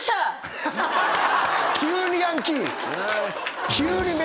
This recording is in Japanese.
急にヤンキー。